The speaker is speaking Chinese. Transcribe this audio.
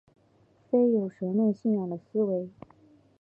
非有神论信仰的思维。